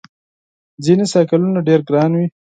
ځینې بایسکلونه ډېر ګران وي.